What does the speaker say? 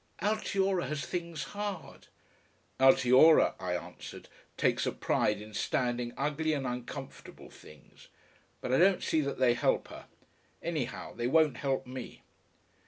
"Altiora has things hard." "Altiora," I answered, "takes a pride in standing ugly and uncomfortable things. But I don't see that they help her. Anyhow they won't help me."